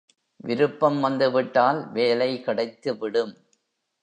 விருப்பம் வந்துவிட்டால் வேலை கிடைத்துவிடும்.